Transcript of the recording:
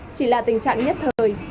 chỉ là tình trạng nhất thời